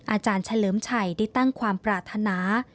อาจารย์เฉลิมชัยได้ตั้งความปรารถนา